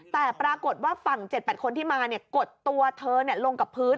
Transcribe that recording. แต่ปรากฏว่าฝั่ง๗๘คนที่มากดตัวเธอลงกับพื้น